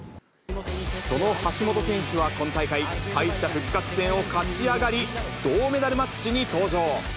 その橋本選手は今大会、敗者復活戦を勝ち上がり、銅メダルマッチに登場。